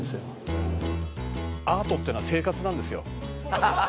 アートってのは生活なんですよ。